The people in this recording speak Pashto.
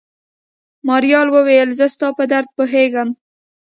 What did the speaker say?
ماريا وويل زه ستا په درد پوهېږم.